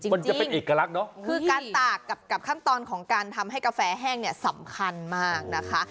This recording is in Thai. มันจะเป็นเอกลักษณ์คือการตากกับขั้นตอนของการทำให้กาแฟแห้งเนี่ยสำคัญมากนะคะ